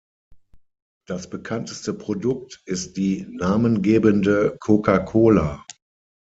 Das bekannteste Produkt ist die namengebende Coca-Cola.